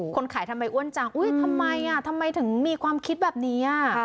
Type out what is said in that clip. คนขายทำไมอ้วนจังทำไมถึงมีความคิดแบบนี้